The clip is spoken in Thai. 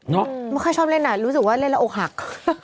ไม่ค่อยชอบเล่นอ่ะรู้สึกว่าเล่นแล้วอกหัก